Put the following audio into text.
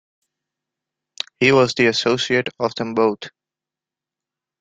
He was the associate of them both.